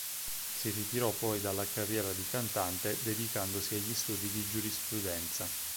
Si ritirò poi dalla carriera di cantante dedicandosi agli studi di giurisprudenza.